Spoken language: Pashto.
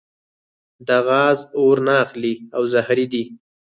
دا غاز اور نه اخلي او زهري دی.